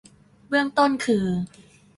เบื้องต้นคือ